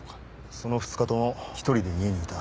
その２日とも１人で家にいた。